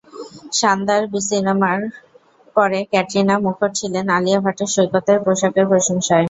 শানদার সিনেমার পরে ক্যাটরিনা মুখর ছিলেন আলিয়া ভাটের সৈকতের পোশাকের প্রশংসায়।